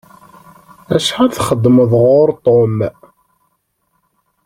Acḥal txedmeḍ ɣur Tom?